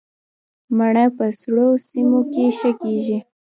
مڼه په سړو سیمو کې ښه کیږي